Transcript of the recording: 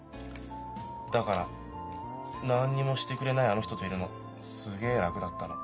だから何にもしてくれないあの人といるのすげえ楽だったの。